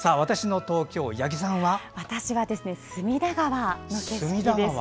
私は隅田川の景色です。